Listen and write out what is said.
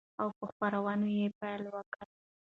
او په خپرونو يې پيل وكړ،